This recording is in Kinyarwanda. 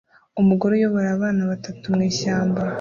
Umugore uyobora abana batatu mwishyamba